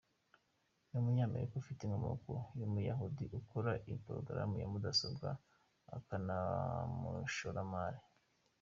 Ni umunyamerika ufite inkomoko y’umuyahudi, ukora amaporogaramu ya mudasobwa akaban’umushoramari.